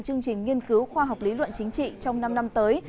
chương trình nghiên cứu khoa học lý luận chính trị trong năm năm tới